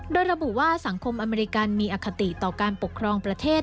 โดยระบุว่าสังคมอเมริกันมีอคติต่อการปกครองประเทศ